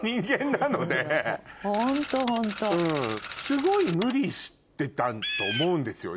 すごい無理してたと思うんですよ